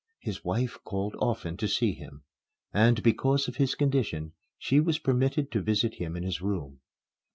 His wife called often to see him; and, because of his condition, she was permitted to visit him in his room.